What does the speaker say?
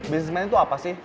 business man itu apa sih